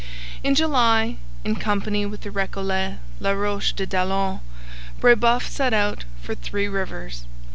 In July, in company with the Recollet La Roche de Daillon, Brebeuf set out for Three Rivers.